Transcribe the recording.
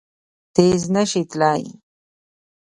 تېز نه شي تلای!